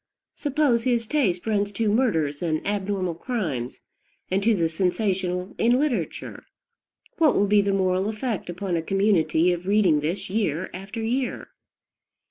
Suppose his taste runs to murders and abnormal crimes, and to the sensational in literature: what will be the moral effect upon a community of reading this year after year?